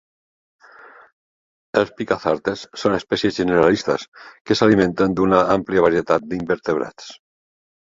Els picathartes són espècies generalistes que s'alimenten d'una àmplia varietat d'invertebrats.